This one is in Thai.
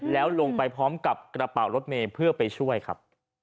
แล้วลงไปพร้อมกับกระเป๋ารถเมย์เพื่อไปช่วยครับ